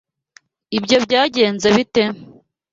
Ibyo byagenze bite?